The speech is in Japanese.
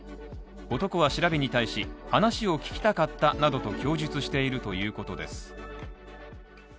男は調べに対し、話を聞きたかったなどと供述しているということです。